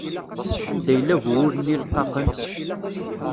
Anda yella bu wul-nni leqqaqen?